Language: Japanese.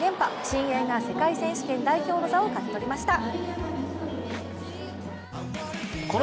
新鋭が世界選手権代表の座を勝ち取りました。